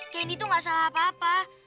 candy tuh gak salah apa apa